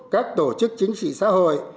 các tổ chức chính trị xã hội